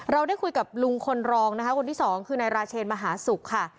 เราได้คุยกับลุงคนรองนะคะคนที่สองคือนายราเชนมหาศุกร์ค่ะ